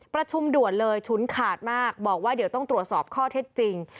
ประชุมด่วนเลยฉุนขาดมากบอกว่าเดี๋ยวต้องตรวจสอบข้อเท็จจริง